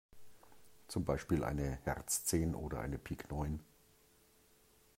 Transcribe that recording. Zum Beispiel eine Herz zehn oder eine Pik neun.